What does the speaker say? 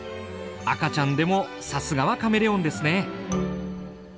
赤ちゃんでもさすがはカメレオンですね。